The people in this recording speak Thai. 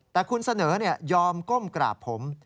แต่คุณเสนอยอมก้มกราบผม